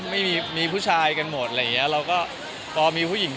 ไม่มีไม่มี